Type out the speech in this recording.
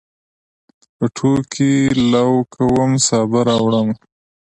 پټوکي لو کوم، سابه راوړمه